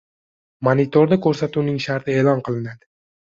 Monitorda ko‘rsatuvning sharti e’lon qilinadi.